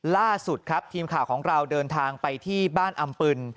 ล่าสุดครับทีมข่าวของเราเดินทางไปที่บ้านอำปึน